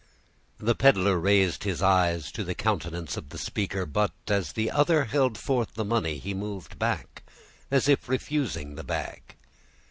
The peddler raised his eyes to the countenance of the speaker; but, as the other held forth the money, he moved back, as if refusing the bag.